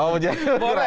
oh pujiannya berkurang